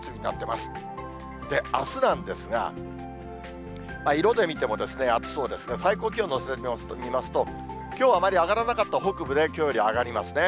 あすなんですが、色で見ても暑そうですが、最高気温のせてみますと、きょうあまり上がらなかった北部で、きょうより上がりますね。